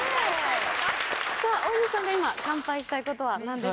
さぁ大西さんが今乾杯したいことは何でしょうか？